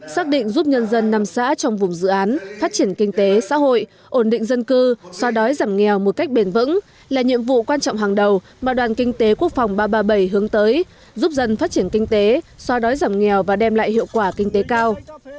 xác định giúp nhân dân năm xã trong vùng dự án phát triển kinh tế xã hội ổn định dân cư xóa đói giảm nghèo một cách bền vững là nhiệm vụ quan trọng hàng đầu mà đoàn kinh tế quốc phòng ba trăm ba mươi bảy hướng tới giúp dân phát triển kinh tế so đói giảm nghèo và đem lại hiệu quả kinh tế cao